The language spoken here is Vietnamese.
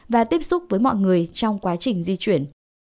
và tiếp xúc với mọi người trong quá trình di chuyển